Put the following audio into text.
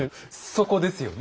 そこですよね。